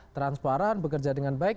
transparan bekerja dengan baik